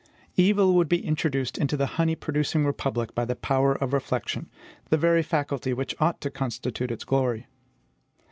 Evil would be introduced into the honey producing republic by the power of reflection, the very faculty which ought to constitute its glory.